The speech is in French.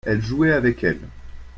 elle jouait avec elle.